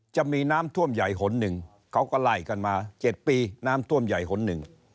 จะมีน้ำท่วมใหญ่หนหนึ่งเขาก็ไล่กันมา๗ปีน้ำท่วมใหญ่หนหนึ่ง